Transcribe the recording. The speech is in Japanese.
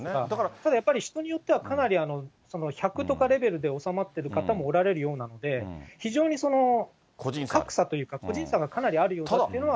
ただやっぱり人によってはかなり、１００とかレベルでおさまっている方もおられるようなので、非常にその、格差というか、個人差がかなりあるなというのは。